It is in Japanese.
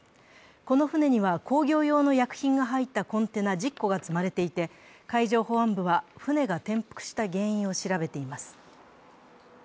この船には工業用の薬品が入ったコンテナ１０個が積まれていて、海上保安部は、船が転覆した原因を調べています。